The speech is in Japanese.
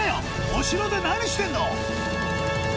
お城で何してんの？